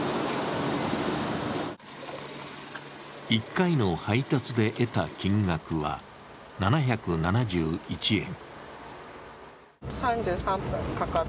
１回の配達で得た金額は７７１円。